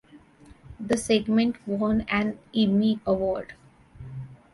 The segment won an Emmy Award.